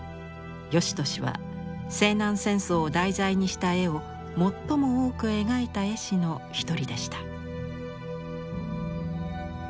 芳年は西南戦争を題材にした絵を最も多く描いた絵師の一人でした。